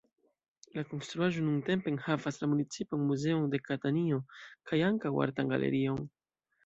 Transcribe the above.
La konstruaĵo nuntempe enhavas la municipan muzeon de Katanio, kaj ankaŭ artan galerion.